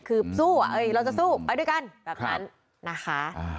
คือสู้เราจะสู้ไปด้วยกันแบบนั้นนะคะ